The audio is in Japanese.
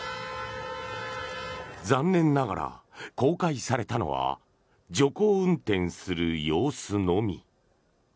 残念ながら、公開されたのは徐行運転する様子のみ。